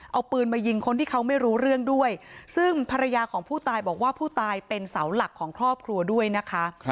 เอาปืนมายิงคนที่เขาไม่รู้เรื่องด้วยซึ่งภรรยาของผู้ตายบอกว่าผู้ตายเป็นเสาหลักของครอบครัวด้วยนะคะ